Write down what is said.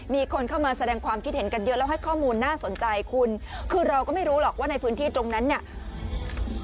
มีคนเข้ามาแสดงความคิดเห็นกันเยอะแล้วให้ข้อมูลน่าสนใจคุณคือเราก็ไม่รู้หรอกว่าในพื้นที่ตรงนั้นเนี่ย